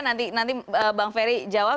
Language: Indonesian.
nanti bang ferry jawab